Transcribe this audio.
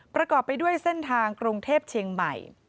ประกอบไปด้วยเส้นทางกรุงเทพเชียงใหม่